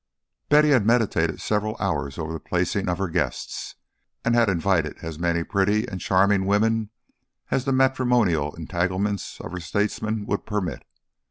Betty had meditated several hours over the placing of her guests, and had invited as many pretty and charming women as the matrimonial entanglements of her statesmen would permit.